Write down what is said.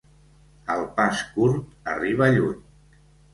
El pas curt arriba lluny.